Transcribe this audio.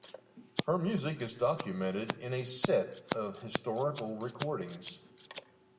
Her music is documented in a set of historical recordings.